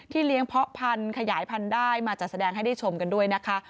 เลี้ยงเพาะพันธุ์ขยายพันธุ์ได้มาจัดแสดงให้ได้ชมกันด้วยนะคะ